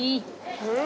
うん！